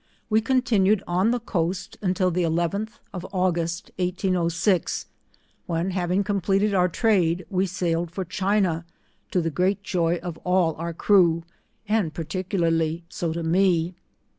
101 W'e contiaued on the coast until the eleventh of August, 1806, when having completed our trade, we sailed for China, to tlie great joy of all our crew, and particularly so \o rae.